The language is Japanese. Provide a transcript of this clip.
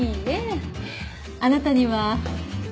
あなたには。